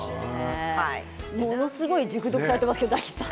ものすごく熟読されていますけれども大吉さん。